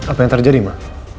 apa yang terjadi ma